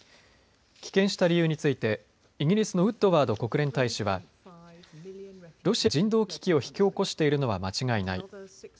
棄権した理由についてイギリスのウッドワード国連大使はロシアが人道危機を引き起こしているのは間違いない。